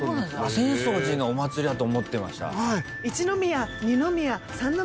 浅草寺のお祭りだと思ってました。